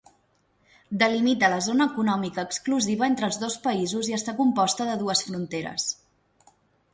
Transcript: Delimita la zona econòmica exclusiva entre els dos països i està composta de dues fronteres.